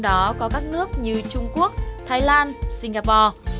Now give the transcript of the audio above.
trong đó có các nước như trung quốc thái lan singapore